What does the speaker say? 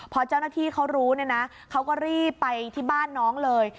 พอเจ้าหน้าที่เขารู้เนี่ยนะเขาก็รีบไปที่บ้านน้องเลย